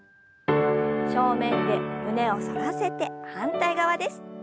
正面で胸を反らせて反対側です。